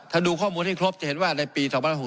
ถ้าดูข้อมูลให้ครบจะเห็นว่าในปี๒๖๖